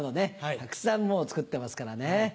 たくさん作ってますからね。